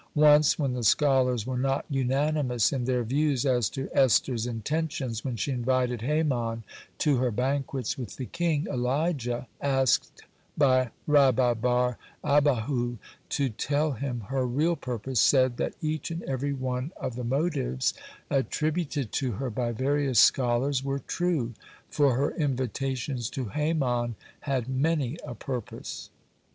(79) Once, when the scholars were not unanimous in their views as to Esther's intentions when she invited Haman to her banquets with the king, Elijah, asked by Rabba bar Abbahu to tell him her real purpose, said that each and every one of the motives attributed to her by various scholars were true, for her invitations to Haman had many a purpose.